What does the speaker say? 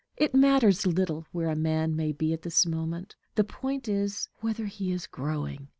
It matters little where a man may be at this moment; the point is whether he is growing.